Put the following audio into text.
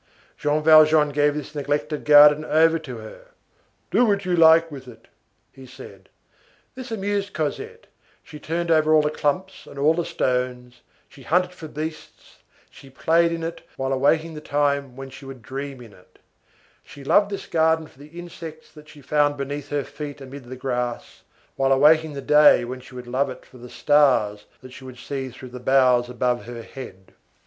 Jean Valjean gave this neglected garden over to her. "Do what you like with it," he said to her. This amused Cosette; she turned over all the clumps and all the stones, she hunted for "beasts"; she played in it, while awaiting the time when she would dream in it; she loved this garden for the insects that she found beneath her feet amid the grass, while awaiting the day when she would love it for the stars that she would see through the boughs above her head.